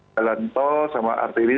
jalan tol sama artiri